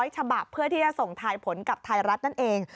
ฉบับเพื่อที่จะส่งทายผลกับไทยรัฐนั่นเอง